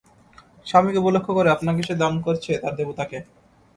স্বামীকে উপলক্ষ করে আপনাকে সে দান করছে তার দেবতাকে।